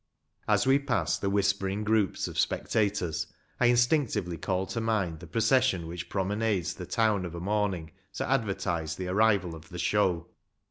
As we pass the whispering groups of spectators, I instinctively call to mind the proces sion which promenades the town of a morning to advertise the arrival of the show.